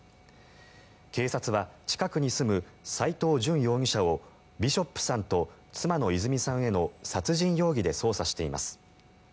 警察は近くに住む斎藤淳容疑者をビショップさんと妻の泉さんへの殺人容疑で捜査しています。